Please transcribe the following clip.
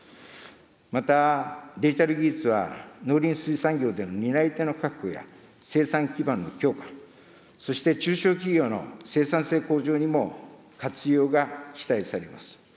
また、デジタル技術は農林水産業での担い手の確保や、生産基盤の強化、そして中小企業の生産性向上にも活用が期待されます。